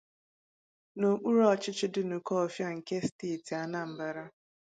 n'okpuru ọchịchị Dunukọfịa nke steeti Anambra.